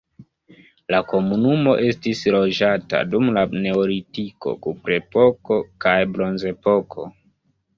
La komunumo estis loĝata dum la neolitiko, kuprepoko kaj bronzepoko.